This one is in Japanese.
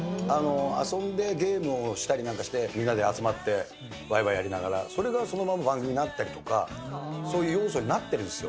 遊んでゲームをしたりなんかして、みんなで集まって、わいわいやりながら、それがそのまま番組になったりとか、そういう要素になっているんですよ。